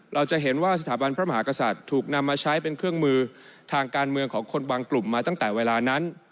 เราจะเห็นว่าสถาบันพระมหากษัตริย์ถูกนำมาใช้เป็นเครื่องมือทางการเมืองของคนบางกลุ่มมาตั้งแต่เวลานั้น